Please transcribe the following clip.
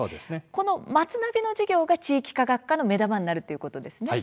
この「まつナビ」の授業が「地域科学科」の目玉になるということですね。